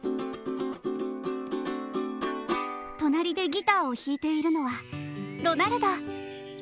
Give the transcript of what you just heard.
隣でギターを弾いているのはロナルド。